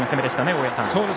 大矢さん。